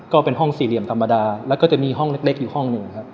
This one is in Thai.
ก็เป็นห้องสี่เหลี่ยมธรรมดาแล้วก็จะมีห้องเล็กอยู่ห้องหนึ่งครับ